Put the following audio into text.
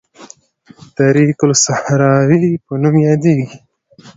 د طریق الصحراوي په نوم یادیږي.